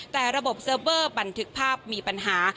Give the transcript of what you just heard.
แต่ระบบเซิร์ฟเวอร์บันทึกภาพมีปัญหา